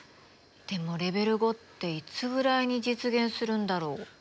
でもレベル５っていつぐらいに実現するんだろう。